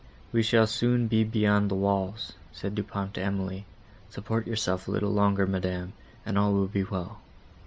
"We shall soon be beyond the walls," said Du Pont softly to Emily, "support yourself a little longer, Madam, and all will be well."